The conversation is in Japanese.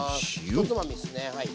１つまみですね。